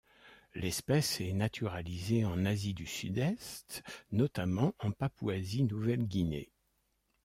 L'espèce est naturalisée en Asie du Sud-est, notamment en Papouasie-Nouvelle-Guinée.